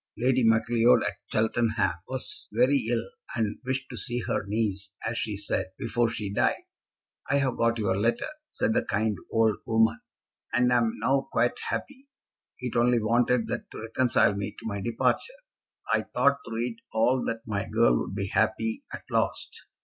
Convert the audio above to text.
Lady Macleod, at Cheltenham, was very ill, and wished to see her niece, as she said, before she died. "I have got your letter," said the kind old woman, "and am now quite happy. It only wanted that to reconcile me to my departure. I thought through it all that my girl would be happy at last.